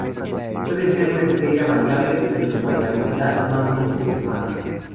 Puede ser una estrella variable, pero su variabilidad no ha sido confirmada.